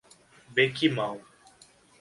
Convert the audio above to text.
Bequimão